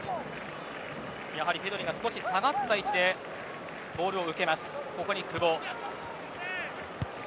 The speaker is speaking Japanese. ペドリが少し下がった位置でボールを受けます。